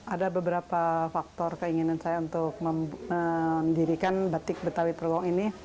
ada beberapa faktor keinginan saya untuk mendirikan batik betawi trogong ini